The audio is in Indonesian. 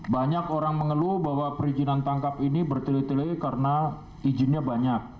banyak orang mengeluh bahwa perizinan tangkap ini bertele tele karena izinnya banyak